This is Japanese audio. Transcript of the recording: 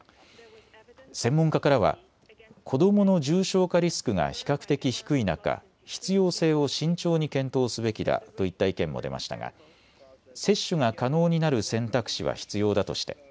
専門家からは子どもの重症化リスクが比較的低い中、必要性を慎重に検討すべきだといった意見も出ましたが接種が可能になる選択肢は必要だとして